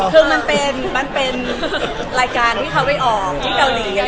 คือมันเป็นรายการที่เขาไปออกที่เกาหลี